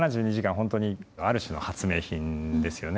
本当にある種の発明品ですよね。